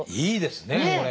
いいですねこれ。